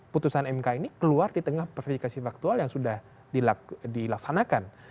putusan mk ini keluar di tengah verifikasi faktual yang sudah dilaksanakan